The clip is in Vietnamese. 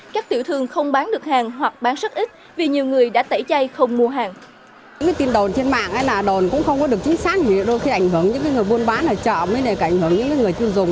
các tiểu thương không bán được hàng hoặc bán rất ít vì nhiều người đã tẩy chay không mua hàng